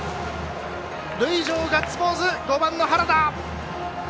塁上ガッツポーズ、５番の原田！